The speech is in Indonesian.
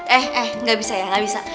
eh eh gak bisa ya gak bisa